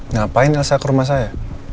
ngapain saya ke rumah saya